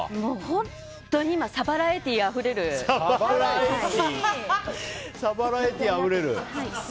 本当に今サバラエティーあふれる。